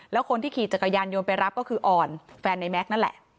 แล้วคนที่ขี่จักรยานยนต์ไปรับก็คืออ่อนแฟนในแก๊กนั่นแหละ